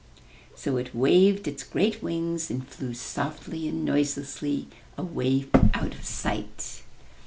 * So it waved its great wings and flew softly and noiselessly away out of sight.